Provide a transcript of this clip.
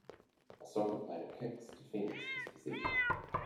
A soccer player kicks defends his possession.